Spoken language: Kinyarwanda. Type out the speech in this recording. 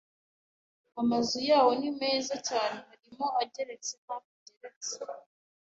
Amazu yaho ni meza yane… harimo ageretse n’atageretse